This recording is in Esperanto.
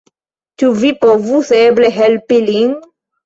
Ĉu vi povus eble helpi lin?